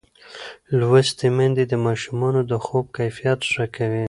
لوستې میندې د ماشومانو د خوب کیفیت ښه کوي.